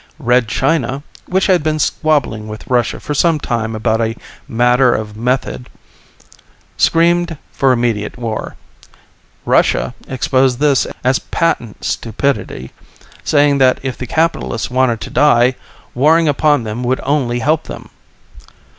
Red China, which had been squabbling with Russia for some time about a matter of method, screamed for immediate war. Russia exposed this as patent stupidity, saying that if the Capitalists wanted to die, warring upon them would only help them.